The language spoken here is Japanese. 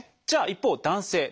じゃあ一方男性。